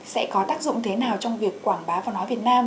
sẽ có tác dụng thế nào trong việc quảng bá văn hóa việt nam